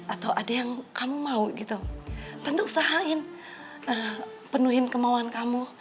atau ada yang kamu mau gitu tentu usahain penuhin kemauan kamu